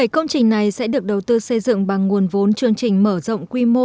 bảy công trình này sẽ được đầu tư xây dựng bằng nguồn vốn chương trình mở rộng quy mô